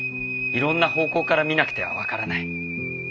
いろんな方向から見なくては分からない。